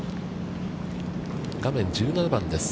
画面、１７番です。